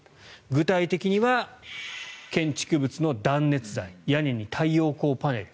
具体的には建築物の断熱材屋根に太陽光パネル